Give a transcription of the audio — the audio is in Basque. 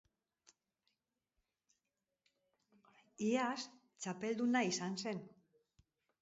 Iaz txapelduna izan zen.